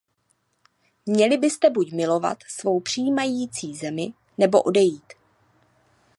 Měli byste buď milovat svou přijímající zemi, nebo odejít.